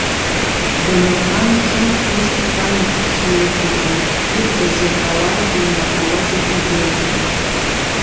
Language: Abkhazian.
Дамырҟан ҿымҭ ус дтәан ихышла иқәыжьны, ирҳәоз иаҳауазу имаҳауазу узеилмырго.